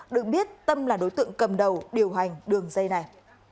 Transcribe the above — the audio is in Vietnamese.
được biết tâm là đối tượng cầm đầu điều hành đường dây này